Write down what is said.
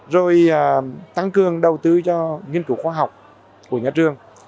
rồi tăng cường đầu tư cho nghiên cứu khoa học của nhà trường